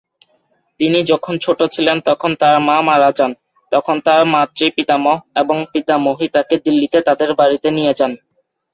তিনি যখন ছোট ছিলেন তখন তার মা মারা যান, তখন তার মাতৃ-পিতামহ এবং পিতামহী তাকে দিল্লীতে তাদের বাড়িতে নিয়ে যান।